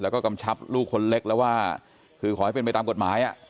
แล้วก็กำชับลูกคนเล็กแล้วว่าคือขอให้เป็นไปตามกฎหมาย